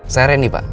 saya reni pak